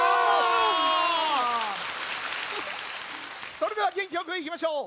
それではげんきよくいきましょう。